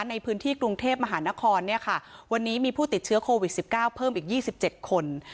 ในพื้นที่กรุงเทพมหานครเนี่ยค่ะวันนี้มีผู้ติดเชื้อโควิดสิบเก้าเพิ่มอีกยี่สิบเจ็ดคน